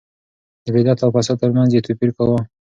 د بدعت او فساد ترمنځ يې توپير کاوه.